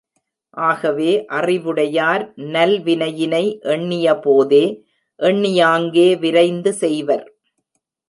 ஆகவே அறிவுடையார், நல்வினையினை எண்ணியபோதே, எண்ணியாங்கே, விரைந்து செய்வர்.